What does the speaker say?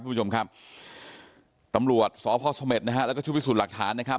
คุณผู้ชมครับตำรวจสพสเม็ดนะฮะแล้วก็ชุดพิสูจน์หลักฐานนะครับ